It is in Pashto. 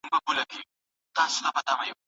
د ژوند تر پایه